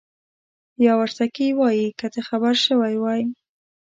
یاورسکي وایي که ته خبر شوی وای.